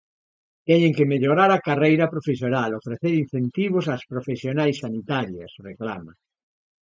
Teñen que mellorar a carreira profesional, ofrecer incentivos ás profesionais sanitarias, reclama.